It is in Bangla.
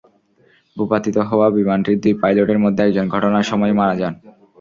ভূপাতিত হওয়া বিমানটির দুই পাইলটের মধ্যে একজন ঘটনার সময়ই মারা যান।